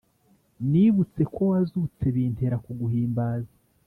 Nibutse ko wazutse bintera kuguhimbaza